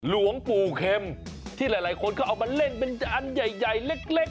หลวงปู่เข็มที่หลายคนก็เอามาเล่นเป็นอันใหญ่เล็ก